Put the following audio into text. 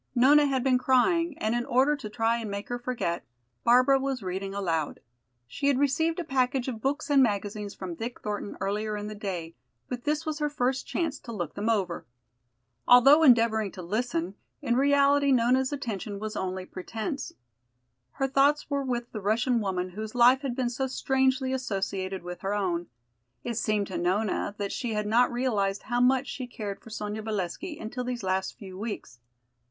Nona had been crying, and in order to try and make her forget, Barbara was reading aloud. She had received a package of books and magazines from Dick Thornton earlier in the day, but this was her first chance to look them over. Although endeavoring to listen, in reality Nona's attention was only pretence. Her thoughts were with the Russian woman whose life had been so strangely associated with her own. It seemed to Nona that she had not realized how much she cared for Sonya Valesky until these last few weeks.